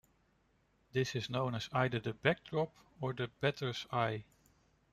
This is known as either the "Backdrop" or the Batter's eye.